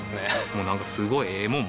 もうなんかすごいええもん